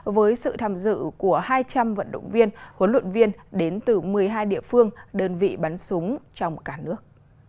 với sự tham dự của hai trăm linh vận động viên huấn luyện viên đến từ một mươi hai địa phương đơn vị bắn súng trong cả nước